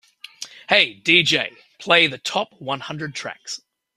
"Hey DJ, play the top one hundred tracks"